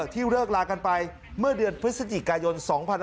ที่เลิกลากันไปเมื่อเดือนพฤศจิกายน๒๕๕๙